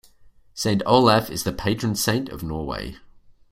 Saint Olaf is the patron saint of Norway.